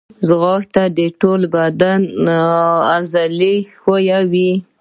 ځغاسته د ټول بدن عضلې ښوروي